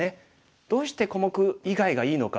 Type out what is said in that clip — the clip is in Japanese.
どうして小目以外がいいのか。